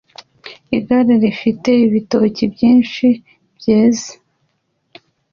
Igare rifite ibitoki byinshi byeze